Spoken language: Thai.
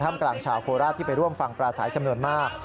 กลางชาวโคราชที่ไปร่วมฟังปลาสายจำนวนมาก